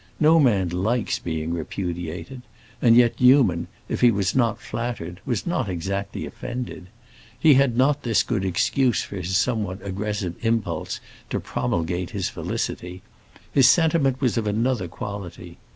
No man likes being repudiated, and yet Newman, if he was not flattered, was not exactly offended. He had not this good excuse for his somewhat aggressive impulse to promulgate his felicity; his sentiment was of another quality.